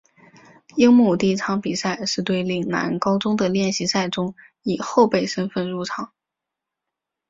樱木第一场比赛是对陵南高中的练习赛中以后备身份出场。